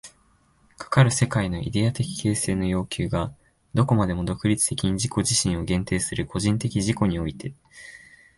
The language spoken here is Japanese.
かかる世界のイデヤ的形成の要求がどこまでも独立的に自己自身を限定する個人的自己において、